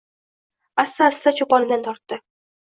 Asta-asta choponidan tortdi.